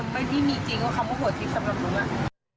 ไม่ได้มีจริงว่าคำว่าผัวทิศสำหรับรุ้ง